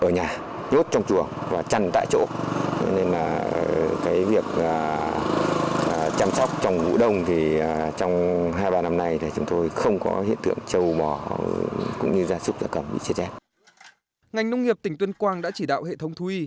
ngành nông nghiệp tỉnh tuyên quang đã chỉ đạo hệ thống thú y